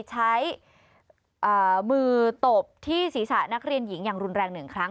ใช้มือตบที่ศีรษะนักเรียนหญิงอย่างรุนแรง๑ครั้ง